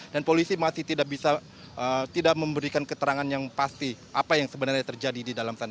dan polisi masih tidak bisa tidak memberikan keterangan yang pasti apa yang sebenarnya terjadi di dalam sana